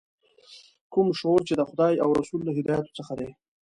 کوم شعور چې د خدای او رسول له هدایاتو څخه دی.